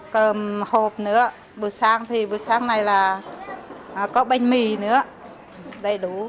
cơm hộp nữa buổi sáng thì buổi sáng này là có bánh mì nữa đầy đủ